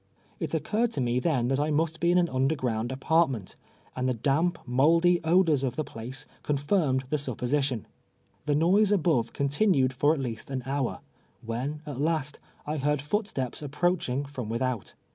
It occurred to me then that I must Ijc in an underground ai)artment, and the damp, mouldy odoi s of the })lace confirmed the supposition. The noise above continued for at least an hour, when, at last, I heard footsteps approaching from without.